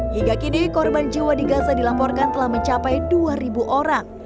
hingga kini korban jiwa di gaza dilaporkan telah mencapai dua orang